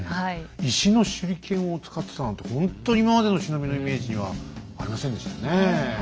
石の手裏剣を使ってたなんてほんと今までの忍びのイメージにはありませんでしたねえ。